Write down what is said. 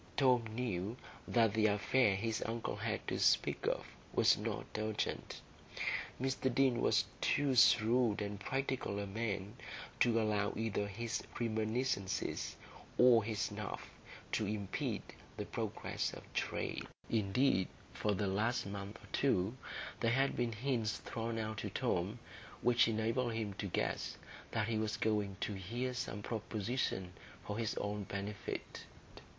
Tom knew that the affair his uncle had to speak of was not urgent; Mr Deane was too shrewd and practical a man to allow either his reminiscences or his snuff to impede the progress of trade. Indeed, for the last month or two, there had been hints thrown out to Tom which enabled him to guess that he was going to hear some proposition for his own benefit.